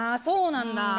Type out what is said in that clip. そうなんだ。